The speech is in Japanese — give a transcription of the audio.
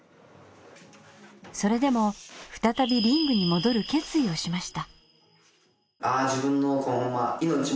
それでも再びリングに戻る決意をしました。